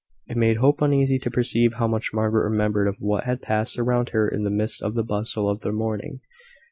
It made Hope uneasy to perceive how much Margaret remembered of what had passed around her in the midst of the bustle of the morning.